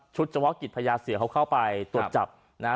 เฉพาะกิจพญาเสือเขาเข้าไปตรวจจับนะฮะ